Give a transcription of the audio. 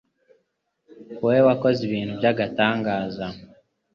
wowe wakoze ibintu by’agatangaza